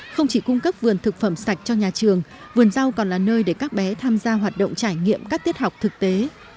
không chỉ cung cấp vườn thực phẩm sạch cho nhà trường vườn rau còn là nơi để các bé tham gia hoạt động trải nghiệm các tiết học thực tế